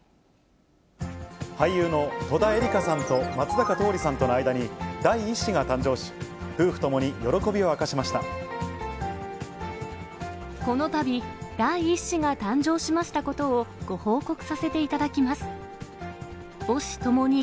俳優の戸田恵梨香さんと松坂桃李さんとの間に、第１子が誕生し、夫婦ともに喜びを明かしましこのたび、第１子が誕生しましたことをご報告させていただきます。